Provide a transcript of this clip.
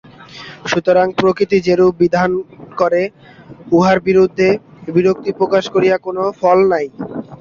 সুতরাং প্রকৃতি যেরূপ বিধান করে, ইহার বিরুদ্ধে বিরক্তি প্রকাশ করিয়া কোন ফল নাই।